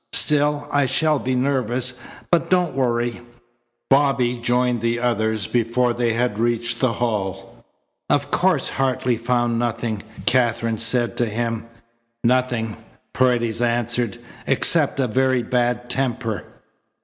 Still, I shall be nervous, but don't worry." Bobby joined the others before they had reached the hall. "Of course Hartley found nothing," Katherine said to him. "Nothing," Paredes answered, "except a very bad temper."